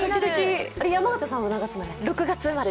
山形さんは何月生まれ？